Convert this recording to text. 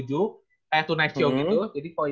jadi kalau itu kayak kalau he told you